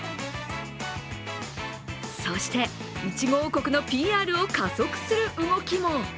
そして、いちご王国のＰＲを加速する動きも。